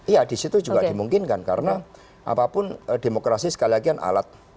iya di situ juga dimungkinkan karena apapun demokrasi sekali lagi adalah alat